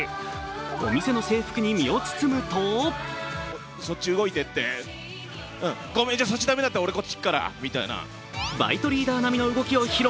お店の制服に身を包むとバイトリーダー並みの動きを披露。